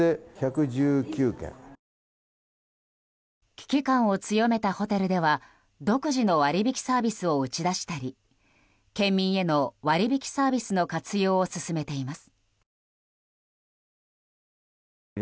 危機感を強めたホテルでは独自の割引サービスを打ち出したり県民への割引サービスの活用を勧めています。